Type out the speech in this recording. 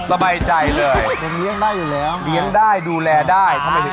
สบายใจเลยยังเลี้ยงได้อยู่แล้วเลี้ยงได้ดูแลได้ทำไมถึง